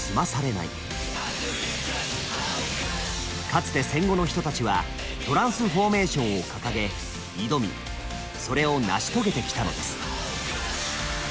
かつて戦後の人たちはトランスフォーメーションを掲げ挑みそれを成し遂げてきたのです。